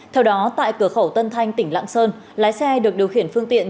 theo đó tại cửa khẩu tân thanh tỉnh lạng sơn lái xe được điều khiển phương tiện